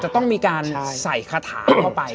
จะต้องมีการใส่คาถาเข้าไป